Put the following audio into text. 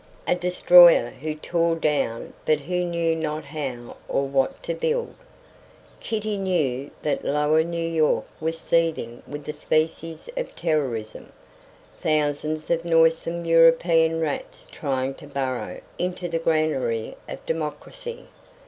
A destroyer who tore down but who knew not how or what to build. Kitty knew that lower New York was seething with this species of terrorism thousands of noisome European rats trying to burrow into the granary of democracy.